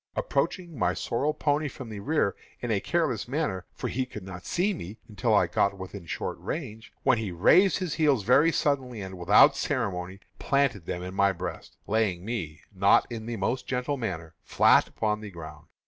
Approaching my sorrel pony from the rear, in a careless manner, for he could not see me until I got within short range, when he raised his heels very suddenly, and, without ceremony, planted them in my breast, laying me, not in the most gentle manner, flat upon the ground.